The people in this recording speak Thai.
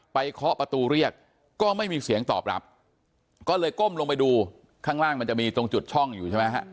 เคาะประตูเรียกก็ไม่มีเสียงตอบรับก็เลยก้มลงไปดูข้างล่างมันจะมีตรงจุดช่องอยู่ใช่ไหมฮะ